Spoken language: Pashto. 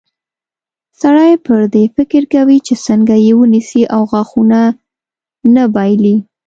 سړی پر دې فکر کوي چې څنګه یې ونیسي او غاښونه نه بایلي.